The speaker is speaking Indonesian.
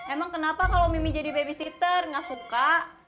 emang kenapa kalo mimpi jadi babysitter gak suka